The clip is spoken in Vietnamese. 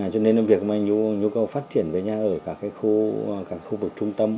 cho nên việc mà nhu cầu phát triển với nhà ở các khu vực trung tâm